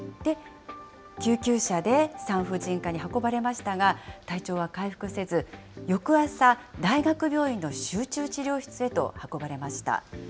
救急車で産婦人科に運ばれましたが、体調は回復せず、翌朝、大学病院の集中治療室へと運ばれました。